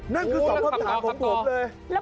นั่นคือ๒คำถามของผมเลย